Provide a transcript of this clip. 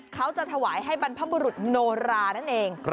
เขาจะถวายให้บรรพบุรุษโนรานั่นเอง